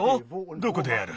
どこでやる？